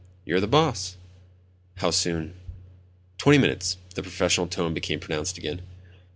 "You're the boss." "How soon?" "Twenty minutes." The professional tone became pronounced again.